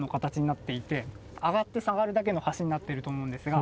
上がって下がるだけの橋になっていると思うんですが。